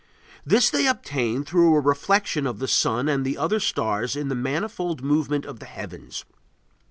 This they obtain through a reflection of the sun and the other stars in the manifold movement of the heavens....